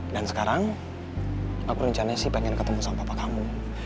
dan sekarang aku rencananya sih pengen ketemu sama papa kamu